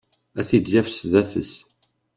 A t-id-yaf sdat-s.